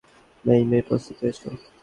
মেই-মেই, প্রস্তুত হয়ে এসো।